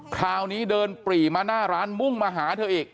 คราวนี้เดินปรีมาหน้าร้านมุ่งมาหาเธออีก